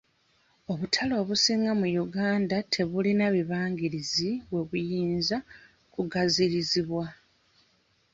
Obutale obusinga mu Uganda tebuyina bibangirizi we buyinza kugaziyirizibwa.